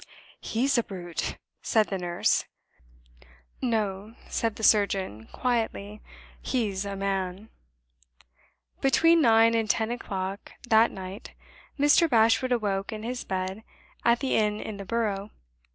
"He's a brute!" said the nurse. "No," said the surgeon, quietly. "He's a man." Between nine and ten o'clock that night, Mr. Bashwood awoke in his bed at the inn in the Borough.